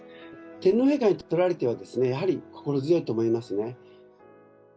天皇陛下にとられてはですね、やはり心強いと思いますね。